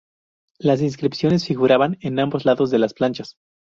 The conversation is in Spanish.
Las inscripciones figuraban en ambos lados de las planchas.